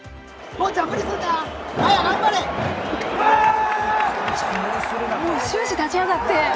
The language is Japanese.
もう、終始、立ち上がって。